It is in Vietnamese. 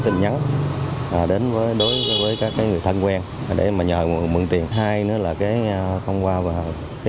tin nhắn đến đối với các người thân quen để mà nhờ mượn tiền hai nữa là cái thông qua và